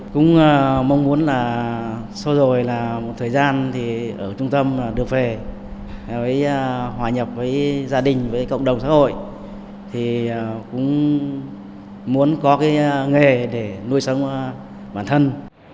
cũng mong muốn là sau rồi là một thời gian thì ở trung tâm được về với hòa nhập với gia đình với cộng đồng xã hội thì cũng muốn có cái nghề để nuôi sống bản thân